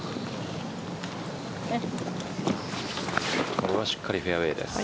ここはしっかりフェアウエーです。